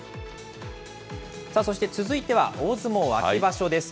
そして続いては大相撲秋場所です。